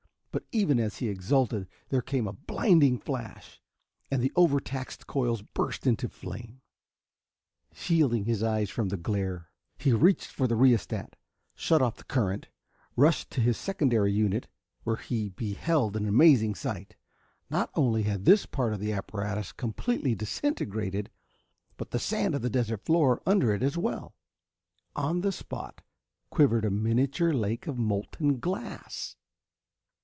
But even as he exulted, there came a blinding flash and the overtaxed coils burst into flame. Shielding his eyes from the glare, he reached for the rheostat, shut off the current, rushed to his secondary unit where he beheld an amazing sight. Not only had this part of the apparatus completely disintegrated, but the sand of the desert floor under it as well. On the spot quivered a miniature lake of molten glass!